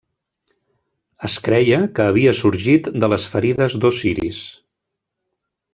Es creia que havia sorgit de les ferides d'Osiris.